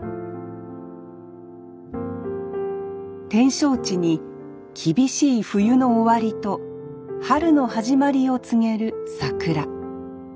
展勝地に厳しい冬の終わりと春の始まりを告げる桜。